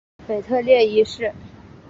腓特烈一世。